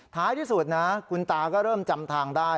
ท้ายที่สุดนะคุณตาก็เริ่มจำทางได้